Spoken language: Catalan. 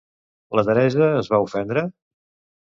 La Teresa es va ofendre?